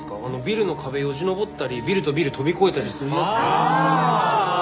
あのビルの壁よじ登ったりビルとビル跳び越えたりするやつですよ。